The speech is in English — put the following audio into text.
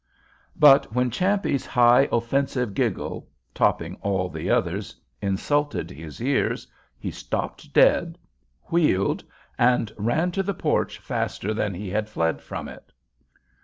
But when Champe's high, offensive giggle, topping all the others, insulted his ears, he stopped dead, wheeled, and ran to the porch faster than he had fled from it.